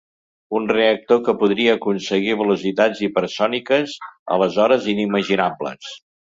Un reactor que podria aconseguir velocitats hipersòniques, aleshores inimaginables.